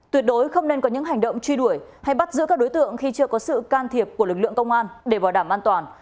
tuyệt đối không nên có những hành động truy đuổi hay bắt giữ các đối tượng khi chưa có sự can thiệp của lực lượng công an để bảo đảm an toàn